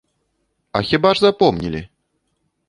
А хіба ж запомнілі?